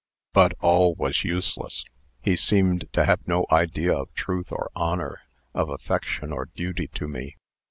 But all was useless. He seemed to have no idea of truth or honor, of affection or duty to me.